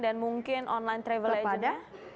dan mungkin online travel agent nya